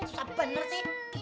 susah bener sih